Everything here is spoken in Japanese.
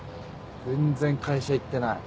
全然会社行ってない。